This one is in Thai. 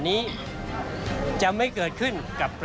ส่วนต่างกระโบนการ